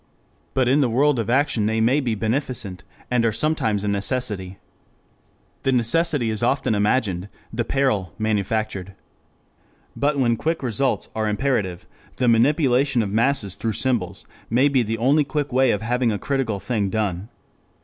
But in the world of action they may be beneficent, and are sometimes a necessity. The necessity is often imagined, the peril manufactured. But when quick results are imperative, the manipulation of masses through symbols may be the only quick way of having a critical thing done.